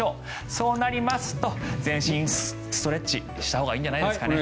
そうなりますと全身ストレッチしたほうがいいんじゃないですかね。